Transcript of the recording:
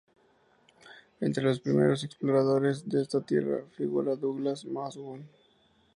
Entre los primeros exploradores de esta tierra figura Douglas Mawson.